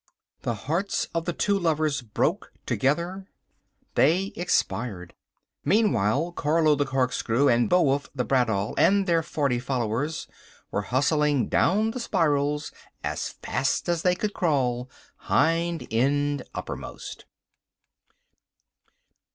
The hearts of the two lovers broke together. They expired. Meantime Carlo the Corkscrew and Beowulf the Bradawl, and their forty followers, were hustling down the spirals as fast as they could crawl, hind end uppermost.